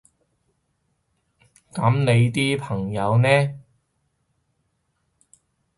噉你啲朋友呢？